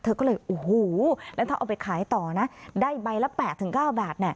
เธอก็เลยโอ้โหแล้วถ้าเอาไปขายต่อนะได้ใบละ๘๙บาท